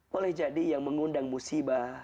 boleh jadi yang mengundang musibah